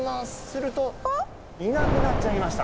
するといなくなっちゃいました。